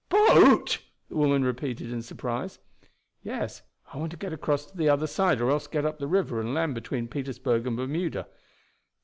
"Boat!" the women repeated in surprise. "Yes, I want to get across to the other side, or else to get up the river and land between Petersburg and Bermuda."